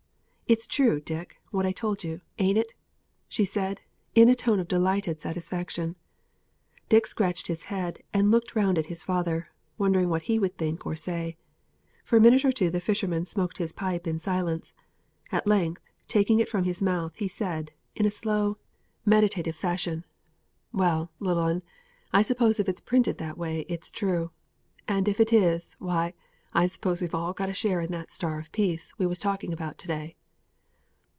It's true, Dick, what I told you, ain't it?" she said, in a tone of delighted satisfaction. Dick scratched his head, and looked round at his father, wondering what he would think or say. For a minute or two the fisherman smoked his pipe in silence. At length, taking it from his mouth, he said, in a slow, meditative fashion: "Well, little 'un, I s'pose if it's printed that way it's true; and if it is, why I s'pose we've all got a share in that 'Star of Peace' we was talking about to day."